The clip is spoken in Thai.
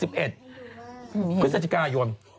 พฤศจิกายน